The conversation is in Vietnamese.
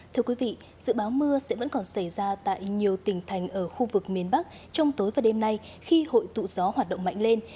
thưa quý vị dự báo mưa sẽ vẫn còn xảy ra tại nhiều tỉnh thành ở khu vực miền bắc trong tối và đêm nay khi hội tụ gió hoạt động mạnh lên